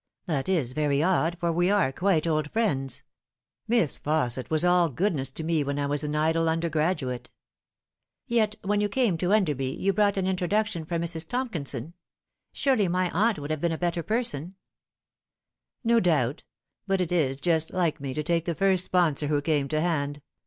" That is very odd, for we are quite old friends. Miss Fausset was all goodness to me when I was an idle undergraduate." " Yet when you came to Enderby you brought an introduc tion from Mrs. Tomkison. Surely my aunt would have been a better person "" No doubt ; but it is just like me to take the first sponsor who came to hand.